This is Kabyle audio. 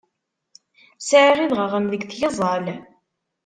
Sɛiɣ idɣaɣen deg tgeẓẓal.